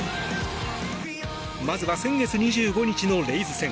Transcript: まずは先月２５日のレイズ戦。